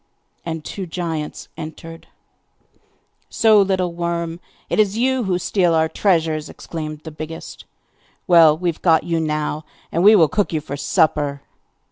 And two giants entered. 'So, little worm! it is you who steal our treasures!' exclaimed the biggest. 'Well, we have got you now, and we will cook you for supper!